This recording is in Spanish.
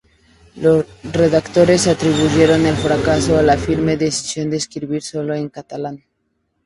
Los redactores atribuyeron el fracaso a la firme decisión de escribir solo en catalán.